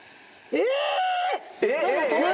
えっ？